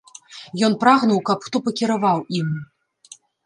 Ён прагнуў, каб хто пакіраваў ім.